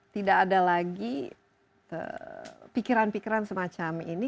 tidak ada lagi pikiran pikiran semacam ini